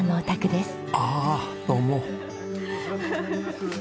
ああどうも。